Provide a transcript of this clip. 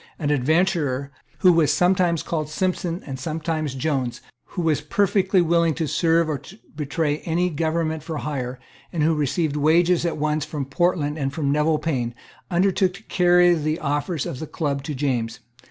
An adventurer, who was sometimes called Simpson and sometimes Jones, who was perfectly willing to serve or to betray any government for hire, and who received wages at once from Portland and from Neville Payne, undertook to carry the offers of the Club to James.